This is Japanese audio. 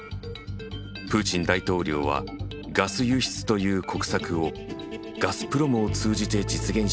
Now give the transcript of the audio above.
プーチン大統領はガス輸出という国策をガスプロムを通じて実現してきたのだ。